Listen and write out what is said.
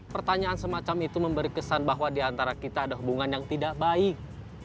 pertanyaan semacam itu memberi kesan bahwa diantara kita ada hubungan yang tidak baik